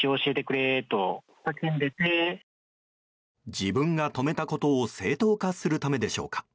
自分が止めたことを正当化するためでしょうか。